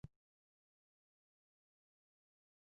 圣文森特和格林纳丁斯国徽为盾徽。